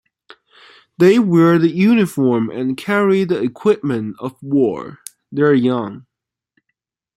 They wear the uniform and carry the equipment of war; they are young.